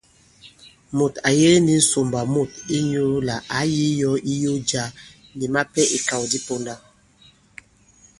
Mùt à yege ndī ŋsòmbà mût inyūlà ǎ yī yō iyo jǎ, nì mapɛ ìkàw di ponda.